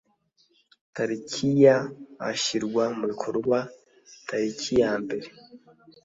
tariki ya ashyirwa mu bikorwa tariki ya mbere